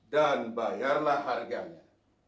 dan bayarlah harganya